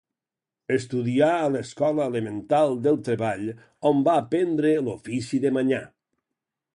Estudià a l'Escola Elemental del Treball, on va aprendre l'ofici de manyà.